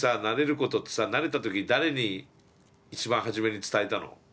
ことってさなれた時誰に一番初めに伝えたの？